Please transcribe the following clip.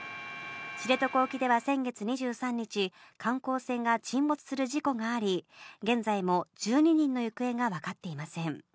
知床沖では先月２３日、観光船が沈没する事故があり、現在も１２人の行方が分かっていません。